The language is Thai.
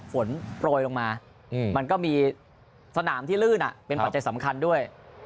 โปรยลงมามันก็มีสนามที่ลื่นเป็นปัจจัยสำคัญด้วย